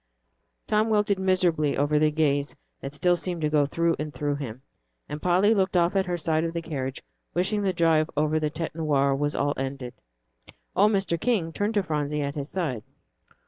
Tom wilted miserably under the gaze that still seemed to go through and through him, and Polly looked off at her side of the carriage, wishing the drive over the Tête Noire was all ended. Old Mr. King turned to Phronsie at his side.